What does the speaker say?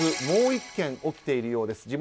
もう１件起きているようです。